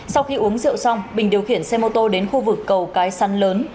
sau khi uống rượu xong bình điều khiển xe mô tô đến khu vực cầu cái săn lớn